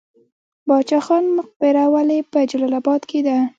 باچا خان مقبره ولې په جلال اباد کې ده؟